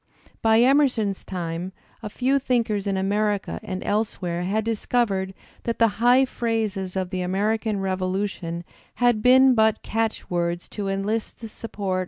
By Emerson's time a few thinkers in America and ehe i f> nor fv— where had discovered that the high phrases of the AmericanI /\/f^^' j/i/ Revolution had been but catch words to enlist the support \ A^^.